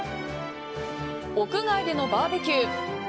屋外でのバーベキュー。